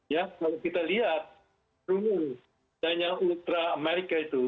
kalau kita lihat rumuh dana ultra amerika itu